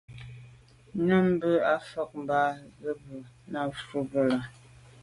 Nyəèm bə́ â mvɔ̂k mbàp zə̄ bú nǔ fá mbrʉ́ lɑ́.